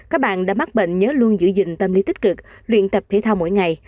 các bạn đã mắc bệnh nhớ luôn giữ gìn tâm lý tích cực luyện tập thể thao mỗi ngày